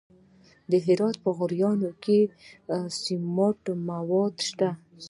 د هرات په غوریان کې د سمنټو مواد شته.